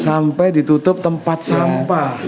sampai ditutup tempat sampah